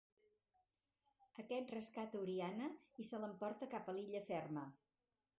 Aquest rescata Oriana i se l'emporta cap a l'Illa Ferma.